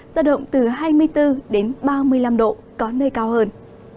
giao động từ hai mươi bốn đến ba mươi năm độ có nơi cao hơn